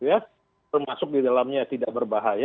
yang bermasuk di dalamnya tidak berbahaya